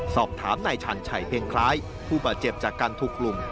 สอบถามนายชันชัยเพียงคล้ายผู้บาดเจ็บจากการถูกกลุ่ม